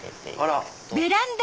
あら。